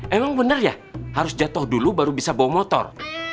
emang bener ya harus jatuh dulu baru bisa bawa motor